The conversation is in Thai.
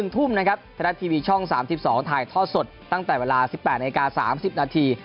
ทุ่มนะครับไทยรัฐทีวีช่อง๓๒ถ่ายทอดสดตั้งแต่เวลา๑๘นาที๓๐นาที